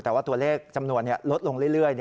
แต่ว่าตัวเลขจำนวนลดลงเรื่อย